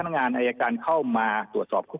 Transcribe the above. นะครับ